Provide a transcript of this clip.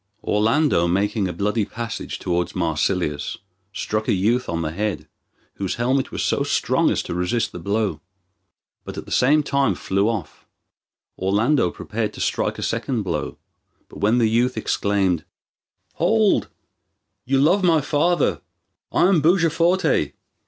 Orlando, making a bloody passage towards Marsilius, struck a youth on the head, whose helmet was so strong as to resist the blow, but at the same time flew off, Orlando prepared to strike a second blow, when the youth exclaimed, "Hold! you loved my father; I am Bujaforte!"